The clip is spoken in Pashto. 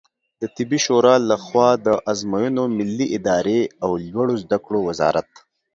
د طبي شورا له خوا د آزموینو ملي ادارې او لوړو زده کړو وزارت